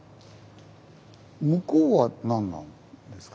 向こうは何なんですか？